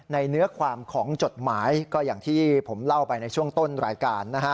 เนื้อความของจดหมายก็อย่างที่ผมเล่าไปในช่วงต้นรายการนะฮะ